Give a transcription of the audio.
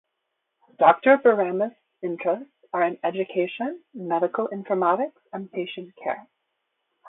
Doctor Bormanis' interests are in education, medical infomatics and patient care.